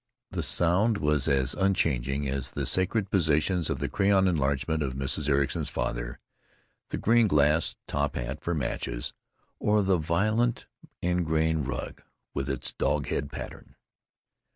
The sound was as unchanging as the sacred positions of the crayon enlargement of Mrs. Ericson's father, the green glass top hat for matches, or the violent ingrain rug with its dog's head pattern.